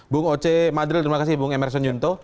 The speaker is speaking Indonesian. bung oce madril terima kasih bung emerson yunto